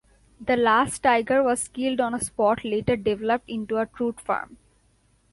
The last tiger was killed on a spot later developed into a trout farm.